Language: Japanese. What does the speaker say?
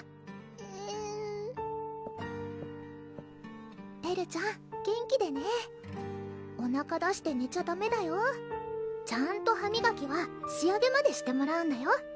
えるぅエルちゃん元気でねおなか出してねちゃダメだよちゃんと歯みがきは仕上げまでしてもらうんだよ